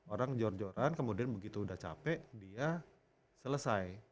orang jor joran kemudian begitu udah capek dia selesai